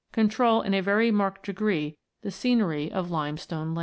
control in a very marked degree the scenery of lime stone lands (Fig.